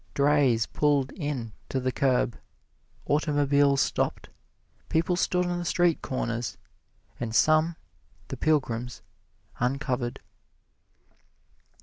Drays pulled in to the curb, automobiles stopped, people stood on the street corners, and some the pilgrims uncovered.